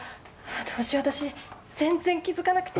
どうしよう私全然気づかなくて。